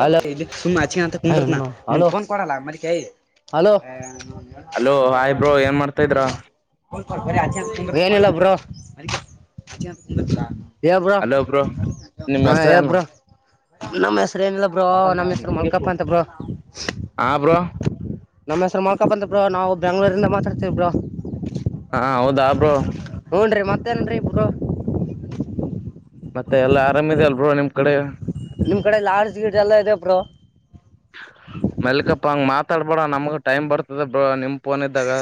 Hello hello. Hello hi bro ಏನ್ ಮಾಡ್ತಾ ಇದ್ರ ಹ್ಮ್ಮ್. ಯ ಬ್ರಾ ಹಲೋ ಬ್ರೋ ನಿಮ್ ಹಾ ಹೆಸ್ರ ಏನು ಯಬ್ರಾ ನಮ. ಇಲ್ಲ ಬ್ರೋ ನಮ್ಮ್ ಹೆಸರು ಮಲ್ಕಪ್ಪ ಅಂತ ಬ್ರೋ ಹಾ ಬ್ರೋ ನಮ್ಮ ಹೆಸರು ಮಲ್ಕಪ್ಪ ಅಂತ ಬ್ರೋ ನಾವು ನಾವು ಬೆಂಗ್ಳೂರಿಂದ ಮಾತಾಡ್ತಿಬ್ರೋ ಹಾ ಹೌದಾ ಹ್ ಬ್ರೋ ತನ್ರಿ ಬ್ರೋ ಮತ್ತೆ ಎಲ್ಲಾ ಆರಾಮ ಇದೆ ಅಲ್ಲಿ ಬ್ರೋ ನಿಮ್ ಕಡೆ. ನಿಮ್ ಕಡೆ ಲಾಾರ್ಜ್ ಗಿಡ್ ಎಲ್ಲಾ ಇದೆ ಬ್ರೋ ಮೆಲ್ಕಪ್ಪ ಹಂಗ ಮಾತಾಡ್ಬೇಡ ನಮಗ್ ಟೈಮ್ ಬರ್ತದ ಬ್ರೋ ನಿಮ. ಪೋನ್ ಈಡಿಗ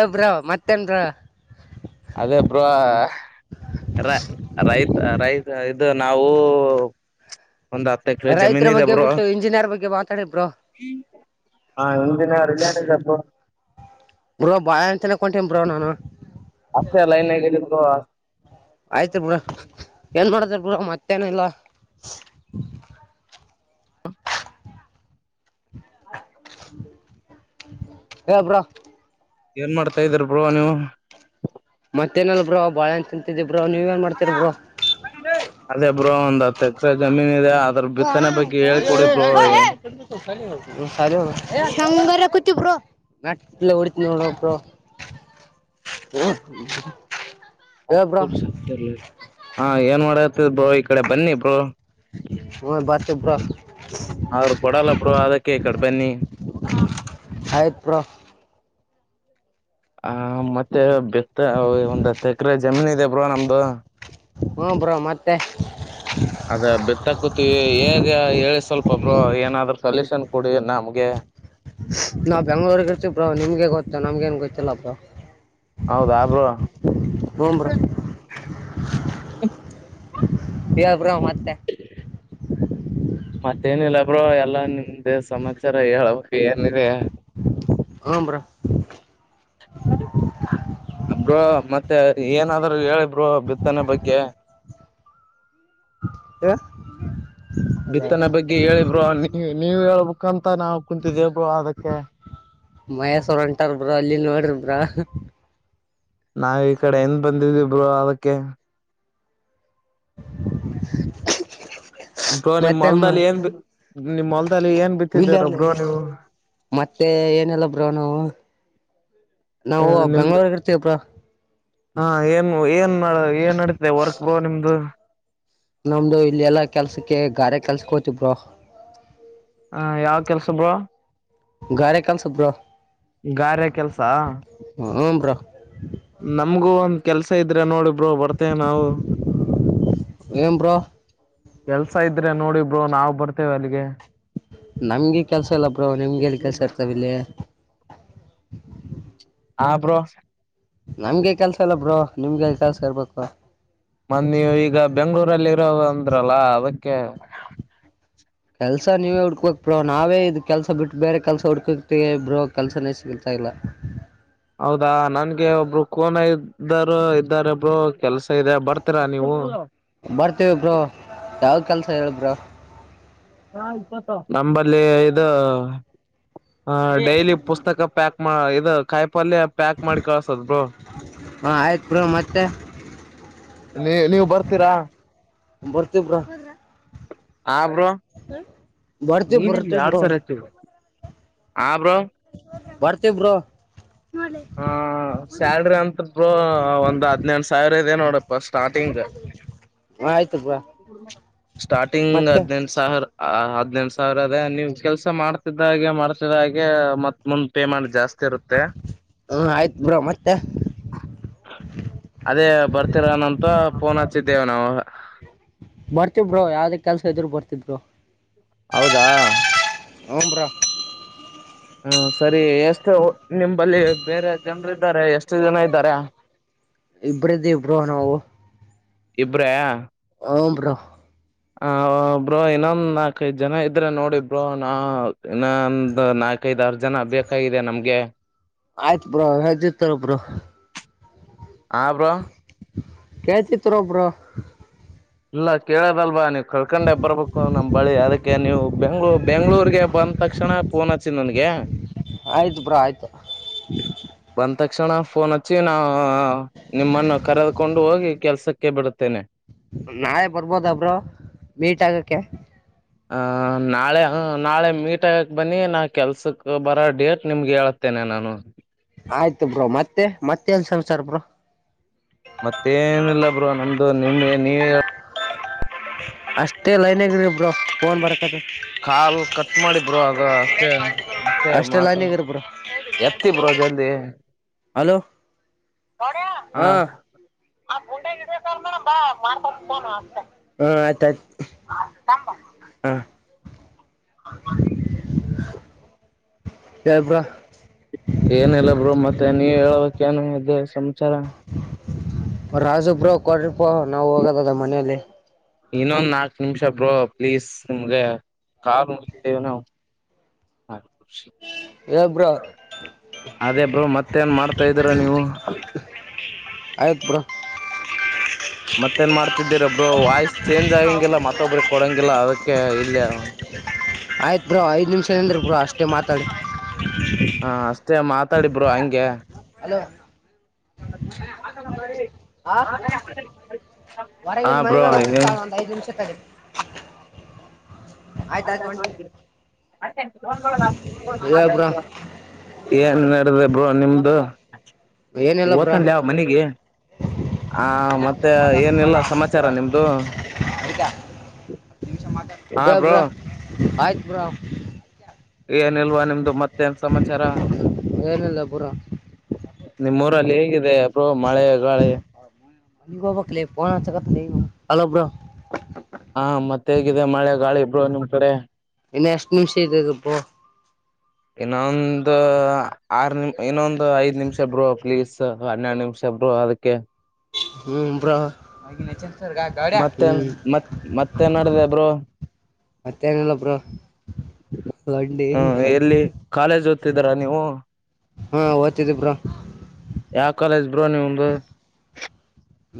ಎಳ್ಳು ಬ್ರೋ ಮತ್ತೇನ್ರ ಅದೇ ಬ್ರೋ ರೈತ ರೈತ ರೈತ ಇದು ನಾವು ಒಂದ್ ಹತ್ತು ಎಕ ರೈತರ ಜಮೀನ್ ಇದೆ ಬಗ್ಗೆ ಬ್ರೋ ಬಿಟ್ಟು ಇಂಜಿನಿಯರ್ ಬಗ್ಗೆ ಮಾತಾಡಿ ಬ್ರೋ ಹ್ ಇಂಜಿನಿಯರಿಂಗ್ ಬ್ರೋ ಬಾ ಅಂತನ ಕೊಂಟೇ ಬ್ರೋ ನಾನು ಅಷ್ಟೇ ಲೈನ್ಗ ಬ್ರೋ ಆಯ್ತು ಬ್ರೋ ಏನ್ ಮಾಡದಾರ ಬ್ರೋ ಮತ್ತ ತನ ಇಲ್ಲ. ಎಳ್ಳು ಬ್ರೋ ಏನ್ ಮಾಡ್ತಾ ಇದ್ದ್ರ ಬರುವ ನೀವು ಮತ್ತೇನಾದ ಬ್ರೋ ಬಾಳೆಹಣ್ಣು ತಿಂತಿದೀನಿ [unintelligible] ಅದೇ ಬರೋ ಒಂದು ತ್ತ ಜಮೀನ ಹೇ ಅಣ್ಣ [unintelligible] ನಂಗಾರ ಕೊಟ್ಟೀರಾ ಬ್ರೋ ಇಲ್ಲೆ ಹೊಡೀತೀವಿ ಬ್ರೋ ಹ್ಮ್ [unintelligible] ಹೇಳ್ ಬ್ರೋ ಹ ಏನ್ ಮಾಡ. ಬ್ರೋ ಈ ಕಡೆ ಬನ್ನಿ ಬೋ. [unintelligible] ಬ್ರೋ ಅವ್ರರು ಕೊಡಲ್ಲ ಬ್ರೋ ಅದಕ್ಕೆೇ ಈ ಕಡೆ ಬನ್ನಿ ಆಯ್ತು ಬ್ರೋ ಹ ಮತ್ತೆ ಮತ್ತೆ ಒಂದು ಹಾತು ಎಕ್ಕ ಹೂತು ಎಕರೆ ಜಮೀನ್ ಇದೆ ಬ್ರೋ ನಮ್ದು ಹ್ಮ್ ಬ್ರೋ ಮತ್ತೆ ಅದ ಬೆತ್ತಾಕತಿೀವಿ ಹೇಗೆ ಹೇಳಿ ಸ್ವಲ್ಪ ಒೊಬ್ರು ಏನಾದ್ರೂ ಸಲ್ಯೂಷನ್ ಕೊಡಿ ನಮ್ಗೆ ನಾ ಬೆಂಗ್ಗಳೂರ್ ಇರ್ತಿೀ ಬ್ರೋ ನಿಮ್ಗೆ ಗೊತ್ತ ನಮ್ಗೆ ಏನ್ ಗೊತ್ತಿಲ್ಲ ಬ್ರೋ ಹೌದ ಬ್ರೋ ಹ್ಮ್ ಬ್ರೋ ಹೇಳ್ ಬ್ರೋ ಮತ್ತೆ ಮತ್ತೇನಿಲ್ಲ ಒಬ್ರ ಎಲ್ಲಾ ನಿಮ್ದ ಸಮಾಚಾರ ಹೇಳಬೇಕ ಏನಿದೆ ಹೂ ಬ್ರೋ ಏನಾದ್ರರು ಹೇಳಿದರು ಬಿತ್ತನೆ ಬಗ್ಗೆ ಹೇಳ್ ಹಲೋ ಬಿತ್ತನೆ ಬಗ್ಗೆ ಹೇಳಿಬ್ರೋ ನೀ ನೀವು ಹೇಳ್ಬ ಅಂತ ನಾವು ಕುಂತತಿದ್ದೇ ಅದಕ್ಕೆ ಮಹೇಶ್ವರ್ ಹೊಂಟಾರ್ಬ್ರ ಅಲ್ಲಿ ನೋಡ್ರಬ್ರ ನಾವ ಈ ಕಡೆ ಎನ್ ಬಂದಿದವಿಬ್ರು ಅದಕ್ಕೆ ಬ್ರೋ ಹ ನಿಮ್ ಹೊಲ್ದಲ್ಲಿ ಏನ್ ಬಿ ನಿಮ್ ಹೊಲ್ದಲ್ಲಿ ಏನ್ ಬಿತ್ತಿದ್ದೀರ ಮತ್ತೆಳರ್ಲ್ಲಿ ಬ್ರೋ ನೀವು ಮತ್ತೆ ಏನೆಲ್ಲ ಬ್ರೋ ನಾವು ನಾವು ನಿಮ್ದು ಬೆಂಗ್ಳೂರ್ ಇರ್ತೇವ ಬ್ರೋ ಹಾ ಏನ್ ಏನ್ ಏನ್ ನಡತೆ ವರ್ಕ್ ಬೋ ನಿಮ್ದು ನಮ್ದು ಇಲ್ಲ ಎಲ್ಲಾ ಕೆಲ್ಸಕ್ಕೆ ಗಾರೆ ಕೆಲ್ಸಕ್ ಹೋ್ತಬ್ರರು ಹ ಯಾವ್ ಕೆಲ್ಸ ಬ್ರೋ ಗಾರೆ ಕೆಲ್ಸ್ ಬ್ರೋ ಗಾರೆ ಕೆಲ್ಸ ಹ್ಞೂ ಬ್ರೋ ನಮ್ಗೂ ಒಂದ್ ಕೆಲ್ಸ ಇದ್ರೆ ನೋಡ್ ಬರ್ತೇ ನಾವು ಏನ್ ಬ್ರೋ ಕೆಲ್ಸ ಇದ್ರೆ ನೋಡಿ ಬ್ರೋ ನಾವು ಬರ್ತೇವೆ ಅಲ್ಲಿಗೆ ನಮ್ಗೆ ಕೆಲ್ಸ ಇಲ್ಲ ಬ್ರೋ ನಿಮ್ಗೆಲ್ಲಿ ಕೆಲ್ಸ ಇರ್ತಾವ ಇಲ್ಲಿ ಹ ಬ್ರೋ ನಮ್ಗೆ ಕೆಲ್ಸ ಇಲ್ಲ ಬ್ರೋ ನಿಮ್ಗೆಲ್ಲಿ ಕೆಲ್ಸ ಇರ್ಬೇಕು ಮ ನೀವು ಈಗ ಬೆಂಗಳೂರು ನಲ್ಲಿ ಹೌದ ಅಂದ್ರಲ್ಲ ಅದಕ್ಕೆ ಕೆಲ್ಸ ನೀವೇ ಹುಡ್ಕೋಕ್ ಬ್ರೋ ನಾವೇ ಇದ ಕೆಲ್ಸ ಬಿಟ್ಟು ಬೇರೆ ಕೆಲ್ಸ ಹುಡ್ಕೋಕ್ತಿವಿ ಬ್ರೋ ಕೆಲ್ಸನೇ ಸಿಗಲ್ತಾ ಇಲ್ಲ ಹೌದಾ ನನ್ಗೆ ಒಬ್ರು ಕೋನ ಇದ್ದರು ಇದ್ದಾರೆ ಒಬ್ರು ಬರ್ತೇವಿ ಬ್ರೋ ಯಾವ್ದ ಕೆಲ್ಸ ಹೇಳಿ ಬ್ರೋ ನಂಬಲ್ಲಿ ಇದು ಡೈಲಿ ಪುಸ್ತಕ ಪ್ಯಾಕ್ ಇದು ಕಾಯ್ ಪಲ್ಯ ಪ್ಯಾಕ್ ಮಾಡಿ ಕಳ್ಸದ್ ಬ್ರೋ ಹಾಂ ಆಯ್ತು ಬ್ರೋ ಮತ್ತೆ ನೀ ನೀವು ಬರ್ತೀರಾ ಬರ್ತೀವಿ ಬ್ರೋ ಆ ಬ್ರೋ ಬರ್ತೀವಿ ನೀನ್ಮ ಬರ್ತೀವಿ ಎಡ್ ಬ್ರೋ ಸರ ಹತ ಹ ಬ್ರೋ ಬರ್ತೀ ಬ್ರೋ ಹ ಸ್ಯಾಲ್ರಿ ಅಂತ್ರುಕು ಒಂದ್ ಹದ್ನೆೆಂಟ ಸಾವಿರ ಇದೆ ನೋಡಪ್ಪ ಸ್ಟಾರ್ಟಿಂಗ್ ಆಯ್ತು ಬ್ರೋ ಸ್ಟಾರ್ಟಿಂಗ್ ಮತ್ತೆ ಹದ್ನೆೆಂಟ ಸಾವಿರ ಆ ಹದನೆಂಟು ಸಾವಿರ ಅದೇ ನೀವು ಕೆಲ್ಸ ಮಾಡ್ತಿದ್ದ ಹಾಗೆ ಮಾಡ್ಸಿದ ಹಾಗೆ ಮತ್ತ್ ಮುಂದ್ ಪೇಮೆಂಟ್ ಜಾಸ್ತಿ ಇರುತ್ತೆ ಹಾ ಆಯ್ತು ಬ್ರೋ ಮತ್ತೆ ಅದೇ ಬರ್ತೀರೆನಂತ ಫೋನ್ ಹಚ್ಚಿದ್ದೇವೆ ನಾವು ಅವಾಗ ಇದ್ರೆ ಬರ್ತೀವಿ ಬ್ರೋ ಹೌದಾ ಉಮ್ ಬ್ರೋ ಹ ಸರಿ ಎಷ್ಟ ಹೂ ನಿಂಬಲ್ಲಿ ಬೇರೆ ಜನ್ರು ಇದ್ದಾರೆ ಎಷ್ಟು ಜನ ಇದ್ದಾರೆ ಇಬ್ರ್ ಇದ್ದೀವಿ ಬ್ರೋ ನಾವು ಇಬ್ರ್ಯೆ ಹೂಂ ಬ್ರೋ ಹ ಬ್ರೋ ಇನ್ನೊಂದು ನಾಲ್ಕೈದು ಜನ ಇದ್ರೆ ನೋಡಿ ಬ್ರೋ ನಾ ಇನ್ನೊಂದು ನಾಲ್ಕೈದ ಆರು ಜನ ಬೇಕಾಗಿದೆ ನಮ್ಗೆ ಆಯ್ತ್ ಬ್ರೋ ಹೇಳ್ತಿರ್ತಾರ ಬ್ರೋ ಆ ಬ್ರೋ ಕೇಳ್ತೀರ್ತಾರೋ ಬ್ರೋ ಇಲ್ಲ ಕೇಳದಲ್ವಾ ನೀವ್ ಕಳ್ಕೊಂಡೆ ಬರ್ಬೇಕು ನಮ್ ಬಳಿ ಅದಕ್ಕೆ ನೀವು ಬೆಂಗ್ಳೂ ಬೆಂಗ್ಳೂರ್ಗೆ ಬಂದ ತಕ್ಷಣ ಫೋನ್ ಹಚ್ಚಿ ನನಗೆ ಆಯ್ತು ಬ್ರೋ ಆಯ್ತು ಬಂದ ತಕ್ಷಣ ಫೋನ್ ಹಚ್ಚಿ ನಾ ನಿಮ್ಮನ್ನು ಕರೆದಕೊಂಡು ಹೋಗಿ ಕೆಲ್ಸಕ್ಕೆ ಬಿಡುತ್ತೇನೆ ನಾಳೆ ಬರ್ಬೋದ ಬ್ರೋ ಮೀಟ್ ಆಗಕ್ಕೆ ಆ ನಾಳೆ ನಾಳೆ ಮೀಟ್ಗಕ್ ಬನ್ನಿ ನಾ ಕೆಲ್ಸಕ್ಕೆ ಬರೋ ಡೇಟ್ ನಿಮ್ಗೆ ಹೇಳ್ತೇನೆ ನಾನು ಆಯ್ತು ಬ್ರೋ ಮತ್ತೆ ಮತ್ತೆ ನ್ ಸಮಾಚಾರ ಬ್ರೋ ಮತ್ತೇನಿಲ್ಲ ಬ್ರೋ ನಮ್ದು ನಿಮ್ ನೀವೇ ಅಷ್ಟೇ ಲೈನ್ಗ ಇರಿ ಬ್ರೋ ಫೋನ್ ಬರ್ ಕಾಲ್ ಕಟ್ ಮಾಡಿ ಬ್ರೋ ಅದು ಅಷ್ಟೇ ಅಷ್ಟೇ ಮಾತು ಲೈನ್ಗಿರಿ ಬ್ರೋ ಎತ್ತಿ ಬ್ರೋ ಜಲ್ದಿ ಹಲೋ ಹಾ. ಹಾ [unintelligible] ಹೇಳ್ ಬ್ರೋ ಏನಿಲ್ಲ ಬ್ರೋ ಮತ್ತೆ ನೀವ ಹೇಳ್ಬೇಕ್ ಕನು ಇದೆೇ ಸಮಾಚಾರ ರಾಜು ಬ್ರೋ ಕೊಡ್ ಓಹ ನಾವು ಹೋಗದದ ಮನೆಲ್ಲಿ ಇನ್ನೊಂದು ನಾಲ್ಕು ನಿಮಿಷ ಬ್ರೋ ಪ್ಲೀಸ್ ನಿಮ್ಗೆ ಕಾಲ್ ಮುಗಿತೇವೆ ನಾವು ಹಾಗ ಹೇಳ್ ಬ್ರೋ ಅದೇ ಬ್ರೋ ಮತ್ತೇನ್ ಮಾಡ್ತಾ ಇದೀರಾ ನೀವು ಆಯ್ತ್ ಬ್ರೋ ಮತ್ತೇನ್ ಮಾಡ್ತಿದ್ದೀರ ಬ್ರೋ ವಾಯ್ಸ್ ಚೇಂಜ್ ಆಗಂಗಿಲ್ಲ ಮತ್ತೊಬ್ರಿಗೆ ಕೊಡಂಗಿಲ್ಲ ಅದಕ್ಕೆ ಇಲ್ಲೆ ಆಯ್ತು ಬ್ರೋ ಐದು ನಿಮಿಷ ನೀದ್ರಿ ಬ್ರೋ ಅಷ್ಟೇ ಮಾತಾಡಿ ಹಾ. ಮತ್ತೆ ಮಾತಾಡಿ ಬ್ರೋ ಹಂಗೆ. ಹಲೋ. [unintelligible] [unintelligible] [inaudible] ಹಾ ಹೊರಗಿನಿ ಮನಿಗಿ ಬ್ರೋ ಹೋಗಿ ಹಚ್ತೀನಿ ತಾಳು ಐದು ನಿಮಿಷ ತಡಿ. [inaudible] ಆಯ್ತಾಯ್ತು [unintelligible] ಹೊಂಟಿ ಹೇಳ ಬ್ರಾ ಏನ್ ನಡೆದಾದ. ಬ್ರೋ ನಿಮ್ದ. ಏನಿಲ್ಲ ಬ್ರಾ ಹೊತನ ಲೆ ಅವ ಮನಿಗಿ ಆ ಮತ್ತೆ ಏನಿಲ್ಲ ಸಮಾಚಾರ ನಿಮ್ದು ಹಾ ಬ್ರೋ. ಆಯ್ತು ಬ್ರೋ. ಏನಿಲ್ವಾ ನಿಮ್ದು ಮತ್ತೆನ್ ಸಮಾಚಾರ ಏನಿಲ್ಲ ಬ್ರಾ ನಿಮ್ಮೂಊರಲ್ಲಿ ಹೇಗ [inaudible] [unintelligible] ಹಲೋ ಬ್ರೋ. ಹಾ ಮತ್ತೆ ಹೇಗಿದೆ ಮಳೆ ಗಾಳಿ ಬ್ರೋ ನಿಮ್ ಕಡೆ. ಇನ್ನ ಎಷ್ಟ್ ನಿಮಿಷ ಇದೆ ಬ್ರೋ ಇನ್ನೊಂದು ಆರ್ ನಿಮ ಇನ್ನೊಂದು ಐದ ನಿಮಿಷ ಬ್ರೋ ಪ್ಲೀಸ್. ಹನ್ನೆರಡು ನಿಮಿಷ ಬ್ರೋ ಅದಕ್ಕೆ. ಹ್ಮ್ ಬ್ರೋ. ಮತ್ತ ಹ್ಮ್ ಮ ಮತ್ತೇ ನಡಿದೀದೇ ಬ್ರೋ. ಮತ್ತೇನಿಲ್ಲ ಬ್ರೋ ಲಡ್ಡಿ ಹ ಎಲ್ಲಿ ಕಾಲೇಜ್. ತಿಂದರಾ ನೀವು. ಹಾ ಓದ್ತಿದಿಬ್ರಾ. ಯಾವ ಕಾಲೇಜ್ ಬ್ರೋ ನಿಮ್ದು.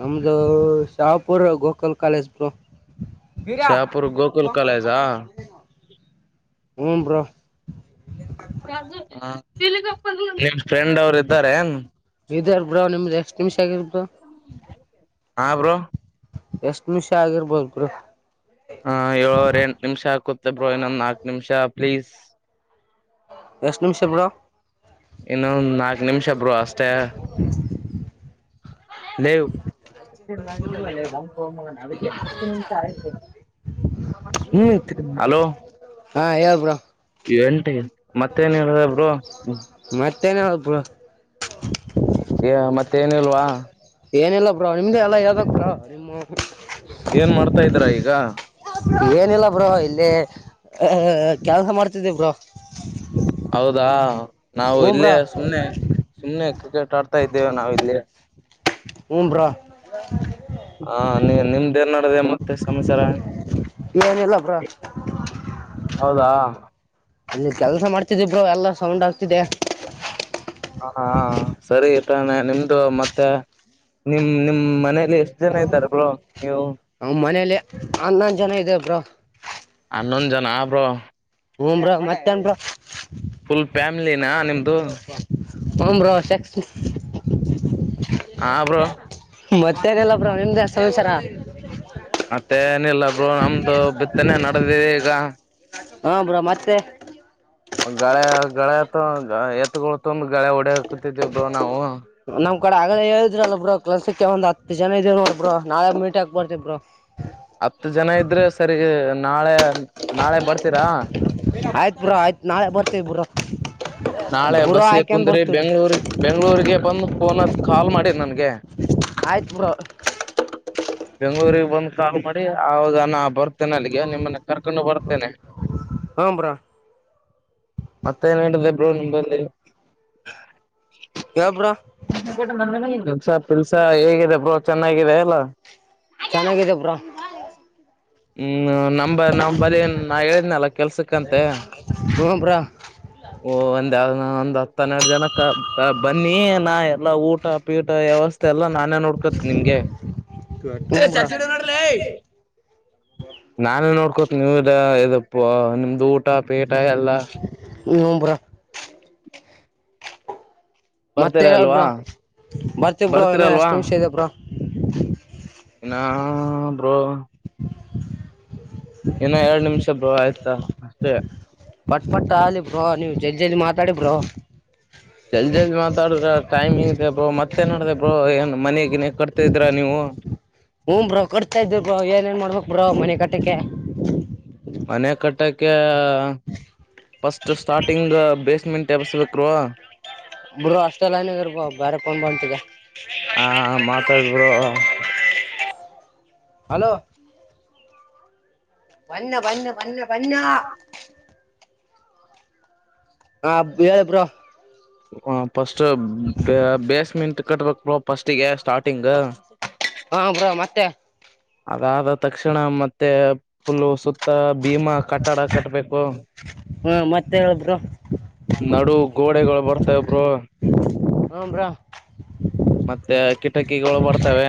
ನಮ್ದು ಶಹಾಪುರ ಗೋಕಲ್ ಕಾಲೇಜ ಬ್ರೋ. ಶಾಪುರ್ ಗೋಕುಲ್ ಕಾಲೇಜಾ ಹ್ಮ್ ಬ್ರೋ. [unintelligible] ಫ್ರೆಂಡ್ ಅವರು ಇದ್ದಾರೆ. ಇದಾರ್ ಬ್ರೋ ನಿಮ್ದು ಎಷ್ಟ್ ನಿಮಿಷ ಆಗಿರ್ ಬ್ರೋ ಹ ಬ್ರೋ ಎಷ್ಟ್ ನಿಮಿಷ ಆಗಿರ್ಬೋದ್ರ ಬ್ರೋ. ಹ ಏಳವರ್ ಎಂಟಟ್ ನಿಮಿಷ ಹಾಕುತ್ತೆ ಬ್ರೋ ಇನ್ನೊಂದ್ ನಾಕ ನಿಮಿಷ. ಪ್ಲೀಸ್. ಎಷ್ಟ್ ನಿಮಿಷ ಬ್ರೋ ಇನ್ನೊಂದು ನಾಕ ನಿಮಿಷ ಬೋ ಅಷ್ಟೇ. [unintelligible] ಲೋ ಹಾ ಹೇಳ್ ಬ್ರೋ ಎಂಟ ಮತ್ತೇನ್ ಹೇಳ ಮತ್ತೇನಿಲ್ಲ ಬ್ರೋ [inaudible] ಹೇ ಮತ್ತ್ ತೇನೂ ಇಲ್ವಾ. ಏನೆಲ್ಲಲ್ಲ ಬ್ರೋ ನಿಮ್ದ ಎಲ್ಲಾ ಹೇಳ್ಬೇಕ್ [unintelligible] ಏನ್ ಮಾಡ್ತಾ ಇದ್ರ ಈಗ. ಏನಿಲ್ಲ ಬ್ರೋ ಇಲ್ಲಿ ಅ ಕೆಲ್ಸ ಮಾಡ್ತಿದ್ದೇ ಬ್ರೋ. ಹೌದಾ. ನಾವು ಹ್ಞೂ ಇಲ್ಲೇ ಬ್ರೋ ಸುಮ್ನೆ ಸುಮ್ನೆ. ಕ್ರಿಕೆಟ್ ಆಡ್ತಾ ಇದ್ದೇವೆ ನಾವ ಇಲ್ಲಿ. ಹುನ್ ಬ್ರೋ. ನಿಮ್ದ ನ್ ನಡದೆ ಮತ್ತೆ ಸಂಚರ. ನಲ್ಲ ಬ್ರ ಹೌದಾ ಅಲ್ಲಿ ಕೆಲಸ ಮಾಡ್ತಿದ. ಬ್ರೋ ಎಲ್ಲ ಸೌಂಡ್ ಆಗ್ ದೆೇ. ಹಾ ಹ ಸರಿತಾನೆ ನಿಮ್ದು ಮತ್ತೆ ನಿಮ ನಿಮ್ ಮನೇಲಿ ಎಷ್ಟು ಜನ ಇದ್ದಾರೆಬ್ಳ. ನಮ್ಮ್ ಮನೇಲಿ ಹನ್ನೊಂದು ಜನ ಇದಿವ್ ಬ್ರೋ. ಹನ್ನೊಂದ್ ಜನ ಬ್ರೋ ಹುನ್ ಬ್ರೋ ಮತ್ತೇನ್ ಬ್ರೋ. ಫುಲ್ ಫ್ಯಾಮಿಲಿನ ನಿಮ್ದು. ಹೋ ಬ್ರೋ ಸೆ ಅಬ್ರೋ ಮತ್ತೆ ಏನಿಲ್ಲ ಬ್ರೋ ನಿಮ್ದೇ ಸಮಾಚಾರ. ಮತ್ತೆ ಏನಿಲ್ಲ ಬ್ರೋ ನಮ್ದು ಬಿತ್ತನೆೇ ನಡೆದಿ ಈಗ. ಹಾ ಬ್ರೋ ಮತ್ತೆ. ಗಳೆ ಗಳೆ ಎತ್ತ ಎತ್ಗಳು ತಂದು ಗಳೆ ಹೊಡೆ ಹಾಕತಿದೇಬ್ರು ನಾವು. ನಮ್ ಕಡೆ ಆಗಲೇ ಹೇಳಿದ್ರಲ್ಲ ಬ್ರೋರು ಕೆಲಸಕ್ಕೆ ಒಂದು ಹತ್ ಜನ ಇದರು ನೋ ಬ್ರೋ ನಾಳೆ ಮೀಟ್ ಹಾಕ್ಬಡ್ತತಿಬ್ರು. ಹತ್ತು ಜನ ಇದ್ರೆ ಸರಿ. ನಾಳೆ ನಾಳೆ ಬರ್ತೀರಾ. ಆಯ್ತ್ ಬ್ರೋ ಆಯ್ತು. ನಾಳೆ ಬರ್ತೇವಿ ಬ್ರೋ. ನಾಳೆ ಬುರೋ ಬಸ್ಗೆ ಹಾಕೊಂಡ್ ಕುಂದ್ರಿ ಬರ್ತೀವ್ರಿ ಬೆಂಗ್ಳೂರ್ ಬೆಂಗ್ಳೂರಿಗೆ ಬಂದು ಪೊನ್ ಹತ್ ಕಾಲ್ ಮಾಡಿ ನನ್ಗೆ. ಆತ ಬ್ರೋ ಬಂದ್ ಕಾಲ್ ಮಾಡಿ ಆವಾಗ ಬರ್ತೇನೆ ಅಲ್ಲಿಗೆ ನಿಮ್ಮನ್ನ ಕರ್ಕೊಂಡು ಬರ್ತೇನೆ ಹ್ಞೂ ಬ್ರೋ ಮತ್ತೆ ನ್ ಹೇಳಿದೆ ಹ ನಿಂಬಲ್ಲ ಹೇಳ್ [unintelligible] ಬ್ರೋ ಗಡೆ ಮಂದನಂದು [unintelligible] ಸ ತಿಲ್ಸ ಹೇಗಿದೆ ಬ್ರೋ ಚೆನ್ನಾಗಿದೆ ಎನು ಚೆನ್ನಾಗಿದೇ ಬ್ರೋ ಹ್ಮ್ ನಮ್ಮ ನಮ್ಮ್ ಬಳ ನಾ ಹೇಳಿದನಲ್ಲ ಕೆಲ್ಸಕ್ಕಂತೆ ಹ್ಞೂ ಬ್ರೋ ಓ ಒಂದ ನ ಒಂದ್ ಹತ್ತ ಹನ್ನೆರಡು ಜನಕ್ಕೆ ಬನ್ನಿ ನಾ ಎಲ್ಲಾ ಊಟ ಪೀಟ ವ್ಯವಸ್ಥೆ ಎಲ್ಲ ನಾನೇ ನೋಡ್ಕತ್ ನಿಮ್ಗೆ ನಾನು ನೋಡ್ಕೋ ಹೂ ಎಲ್ಲಪ್ಪ ನಿಮ್ದು ಊಟ ಬೇಟಾಯ ಅಲ್ಲ ಹ್ಞೂ ಬ್ರೋ [unintelligible] ಮತ್ತೆ ಹೇಳಬ್ರ ಬರ್ತೇವ್ರೋ ಏನೋ ಬರ್ತೀರಲ್ವಾ ಎಷ್ಟ್ ನಿಮಿಷ ಇದೇಬ್ರ [inaudible] ಇನ್ನ ಬ್ರೋ ಇನ್ನೂ ಎರಡ್ ನಿಮಿಷ ಬೋ ಆಯ್ತು ಅಷ್ಟೇ ಜಲ್ಡ್ ಜಲ್ಡ್ ಮಾತಾಡು ಬ್ರೋ ಜಲ್ದಿ ಜಲ್ದಿ ಮಾತಾಡ್ರ ಟೈಮಿಂಗ್ ಇದೆ ಬ್ರೋ ಮತ್ತೆ ನಡ್ದ ಬ್ರೋ ಏನ್ ಮನೆಗಿನ ಕಟ್ತಿದ್ರ ನೀವು ಹಮ್ಬ್ರೋ ಕಟ್ತಾ ಇದ್ದರು ಬ್ರ ಏನ್ ನ್ ಮಾಡ್ಬೇಕು ಬ್ರೋ ಮನೆ ಕಟ್ಟಕ್ಕೆ ಮನೆ ಕಟ್ಟೋಕ್ಕೆ ಫಸ್ಟ್ ಸ್ಟಾರ್ಟಿಂಗ್ ಬೇಸ್ಮೆಂಟ್ ಬಸ್ಬೇಕು ಬ್ರೋ ಅಷ್ಟೆಲ್ಲ ಏನ ಇದರ್ ಬ್ಯಾರೆ ಫೋನ್ ಬಂತಿದೆ ಆ ಮಾತಾಡಿದ್ರು ಹಲೋ ಬನ್ನ ಬನ್ನ ಬನ್ನ ಅನ್ನ ಹ ಹೇಳಿ ಬ್ರೋ ಹ ಫಸ್ಟ್ ಬೇಸ್ಮೆಂಟ್ ಕಟ್ಟಬೇಕಫಸ್ಟ್ಿಗೆ ಸ್ಟಾರ್ಟ್ ಹಾ ಬ್ರ ಮತ್ತೆ ಅದಾದ ತಕ್ಷಣ ಮತ್ತೆ ಫುಲ್ಲ ಸುತ್ತ ಭೀಮಾ ಕಟ್ಟಡ ಕಟ್ಬೇಕು ಹಾ ಮತ್ತೆ ಹೇಳಿ ಬ್ರೋ ನಡು ಗೋಡೆಗಳು ಬರ್ತವೆ ಬ್ರೋ ಹ್ಞೂ ಬ್ರೋ ಮತ್ತೆ ಕಿಟಕಿಗಳು ಬರ್ತವೆ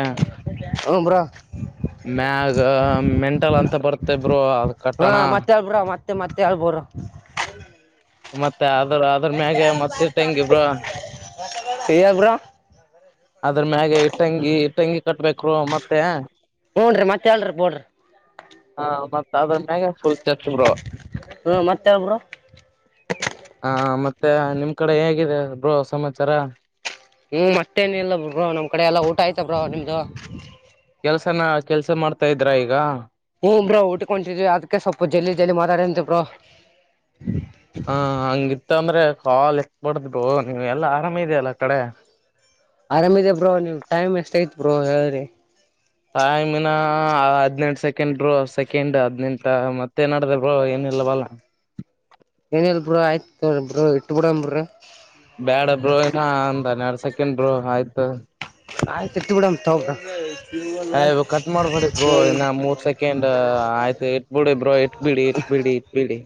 ಹ್ಞೂ ಬ್ರೋ ಮಗ ಮೆ ಹಟ ಅಂತ ಬರ್ತೇಬ್ರು ಹಾ ಮತ್ತೆಲ್ಬ್ರ ಮತ್ತೆ ಮತ್ತೆ ಮತ್ತೆ ಅಳ್ಬೋರ ಮತ್ತೆ ಆದ್ರ ಅದ್ರ ಮ್ಯಾಗ ಮತ್ತ ಇಟ್ಟ ಹೆಂಗ ಇಬ್ರ ಹೇಳಿ ಬ್ರೋ ಅದ್ರ ಮ್ಯಾಗೆ ಇಟ್ಟಂಗಿ ಇಟ್ಟಂಗಿ ಕಟ್ಬೇಕರು ಮತ್ತೆ ಹ್ನ್್ರರಿ ಮತ್ತ ಹೇಳ್ರಿ ಪಡ್ರಿ ಸಾಬ್ರ ಮಾಗ ಚಲ್ತ ಚುಂಬ್ರ ಹ್ಮ ಮತ್ತೆ ಬ್ರೋ ಹಾ ಮತ್ತೆ ನಿಮ್ ಕಡೆ ಹೇಗಿದೆ ಬ್ರೋ ಸಮಾಚಾರ ಹ್ಮ್ ಮತ್ತೇನ ಇಿಲ್ಲ ಬಬ್ರ ನಮ್ ಕಡೆ ಎಲ್ಲಾ ಊಟ ಆಯ್ತ ಬ್ರೋ ನಿಮ್ದು ಕೆಲ್ಸನ ಕೆಲ್ಸ ಮಾಡ್ತಾ ಇದ್ರಾ ಈಗ ಹ್ಮ್ ಬ್ರೋ ಊಟಕ್ ಹೊಂಟಿದ್ವಿ ಅದಕ್ಕೆ ಸ್ವಲ್ಪ ಜಲ್ದಿ ಜಲ್ದಿ ಮಾತಾಡಂತೆ ಬ್ರೋ ಇತ್ತ ಅಂದ್ರೆ ಕಾಲ್ ಇಕ್ಬಡಿದ್ ಬೋ ನೀವ್ ಎಲ್ಲಾ ಆರಾಮ ಇದೆಯಲ್ಲ ಕಡೆ ಆರಾಮ್ಿದೆ ಬ್ರೋ ನೀವ್ ಟೈಮ್ ಎಷ್ಟ ಐತ್ ಬ್ರೋ ಹೇಳ್ರಿ ಟೈಮಿನ ಹದ್ಿನೆಂಟು ಸೆಕೆಂಡ್ ಬೋ ಸೆಕೆಂಡ್ ಹದ್ಿನೆಂಟ ಮತ್ತೆ ನಡದ್ರೋ ಏನಿಲ್ಲ ಬಲ್ಲ ಏನಲ್ ಬ್ರೋ ಆಯ್ತ ತ ಬ ತುಬಡಾಂಬುರ ಬ್ಯಾಡಬ್ರು ಏನ ನ್ನೆ ಎರಡ್ ಸೆಕೆಂಡರು ಆಯ್ತು ಆಯ್ತು ಇಟ್ಬಿಡಮ್ ತಗೋ ಬ್ರೋ ಅಯ ಕಟ್ ಮಾಡ್ಬಿಡ್ರೋ ಇನ್ನ ಮೂರ್ ಸೆಕೆಂಡ್ ಆಯ್ತು ಇಟ್ಬಿಡಿ ಬ್ರೋ ಇಟ್ಬಿಡಿ ಇಟ್ಬಿಡಿ ಇಟ್ಬಿಡಿ